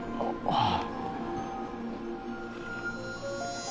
ああ。